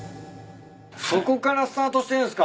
そこからスタートしてるんすか。